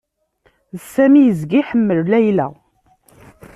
Sami yezga iḥemmel Layla.